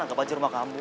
angkat pajer rumah kamu